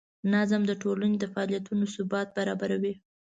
نظم د ټولنې د فعالیتونو ثبات برابروي.